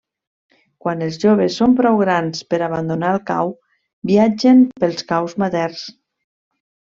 Quan els joves són prou grans per abandonar el cau, viatgen pels caus materns.